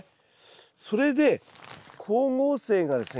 それで光合成がですね